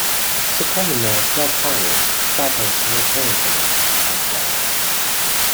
‘The commonest occurrence startles her painfully,’ I said.